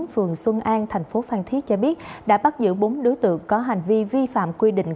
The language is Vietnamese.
phường xuân an thành phố phan thiết cho biết đã bắt giữ bốn đối tượng có hành vi vi phạm quy định